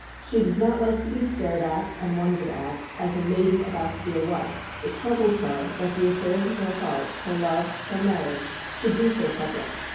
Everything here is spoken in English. She does not like to be stared at, and wondered at, as a maiden about to be a wife; it troubles her that the affairs of her heart, her love, her marriage, should be so public.